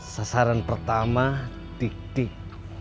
sasaran pertama tik tik